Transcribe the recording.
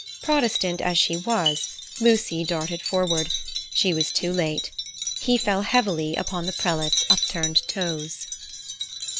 Protestant as she was, Lucy darted forward. She was too late. He fell heavily upon the prelate's upturned toes.